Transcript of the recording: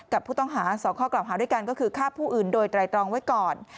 กับผู้ต้องหา๒ข้อกล่าวหาด้วยกันก็คือฆ่าผู้อื่นโดยไตรตรองไว้ก่อน